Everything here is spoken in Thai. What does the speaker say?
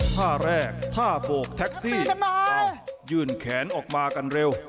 ท่าแรกท่าโบกแท็กซี่ยื่นแขนออกมากันเร็ว